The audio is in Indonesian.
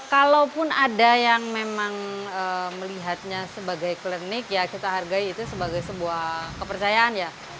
kalaupun ada yang memang melihatnya sebagai klinik ya kita hargai itu sebagai sebuah kepercayaan ya